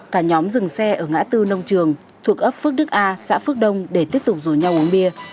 cả nhóm dừng xe ở ngã tư nông trường thuộc ấp phước đức a xã phước đông để tiếp tục rủ nhau uống bia